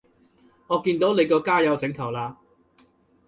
我見到你個加友請求啦